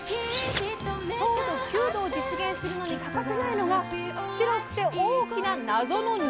糖度９度を実現するのに欠かせないのが白くて大きな謎の布！